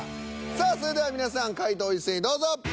さあそれでは皆さん回答を一斉にどうぞ。